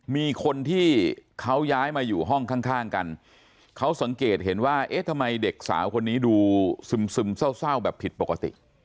มีคนที่เขาย้ายมาอยู่ห้องข้างกันเขาสังเกตเห็นว่าเอ๊ะทำไมเด็กสาวคนนี้ดูซึมเศร้าแบบผิดปกติ